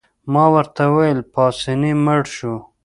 ما ورته وویل: پاسیني مړ شو.